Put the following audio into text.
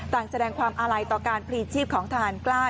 ต่างแสดงความอะไลต่อการพรีชีพของทหารกล้า